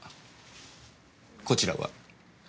こちらは？